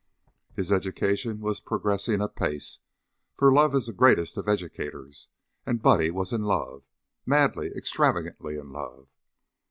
His education was progressing apace, for love is the greatest of educators, and Buddy was in love madly, extravagantly in love.